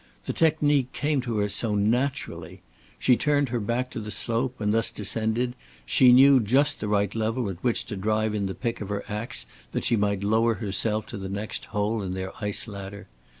The technique came to her so naturally. She turned her back to the slope, and thus descended, she knew just the right level at which to drive in the pick of her ax that she might lower herself to the next hole in their ice ladder.